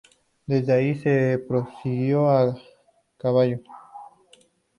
Desde ahí se prosiguió a caballo.